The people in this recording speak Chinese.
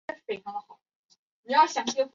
今天活动开始啰！